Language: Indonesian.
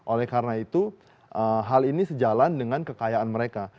oleh karena itu hal ini sejalan dengan kekayaan mereka